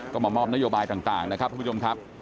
ก็มามอบนโยบายต่างนะครับทุกผู้ชมครับ